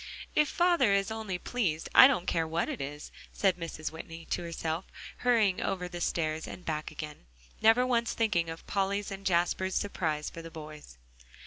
"If father is only pleased, I don't care what it is," said Mrs. Whitney to herself, hurrying over the stairs and back again, never once thinking of Polly's and Jasper's surprise for the boys.